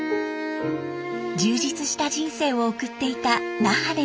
充実した人生を送っていた那覇での日々。